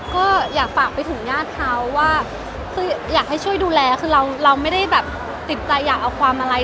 ก็อยากฝากไปถึงญาติเขาว่าคืออยากให้ช่วยดูแลคือเราไม่ได้แบบติดใจอยากเอาความอะไร